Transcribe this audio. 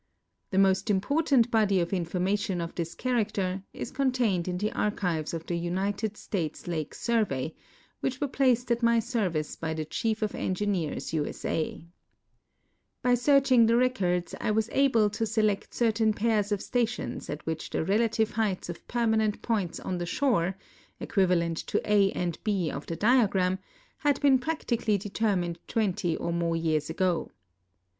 ' The most important body of information of this character is con tained in the archives of the United States Lake Survey, which were placed at my service by the Chief of Engineers, U. S. A. By ^ MODIFJCATJOX OF Till: <;RK.\T LAKES 243 searching the rect)i (ls I was able to seU^ct certain pairs of .slatiniis at which the rehitive heights of pennaniMit ))()ints on the shore (equivalent to A and B of the diagram) had hcen practically de termined twenty or more years ago.